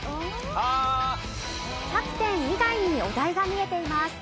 キャプテン以外にお題が見えています。